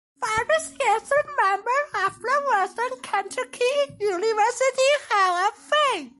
Forest is a member of the Western Kentucky University Hall of Fame.